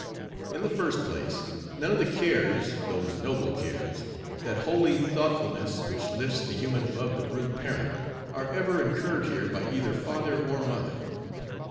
In the first place, none of the cares, those noble cares, that holy thoughtfulness which lifts the human above the brute parent, are ever incurred here by either father or mother.